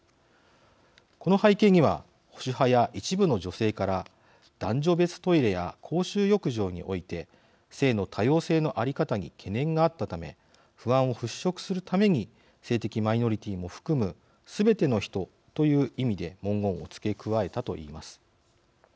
この背景には保守派や一部の女性から男女別トイレや公衆浴場において性の多様性の在り方に懸念があったため不安を払拭するために性的マイノリティーも含む全ての人という意味で文言を付け加えたと言います。